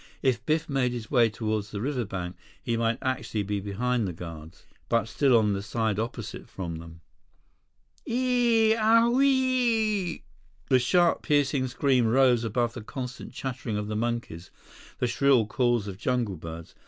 If Biff made his way toward the riverbank, he might actually be behind the guards, but still on the side opposite from them. "Eeeeee owieeeee!" The sharp, piercing scream rose above the constant chattering of the monkeys, the shrill calls of jungle birds.